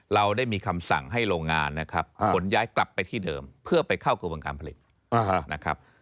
เราได้มีคำสั่งให้โรงงานนะครับขนย้ายกลับไปที่เดิมเพื่อไปเข้ากระบวนการผลิตนะครับ